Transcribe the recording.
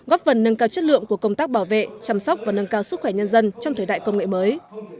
góp phần nâng cao chất lượng của công tác bảo vệ chăm sóc và nâng cao sức khỏe nhân dân trong thời đại công nghệ mới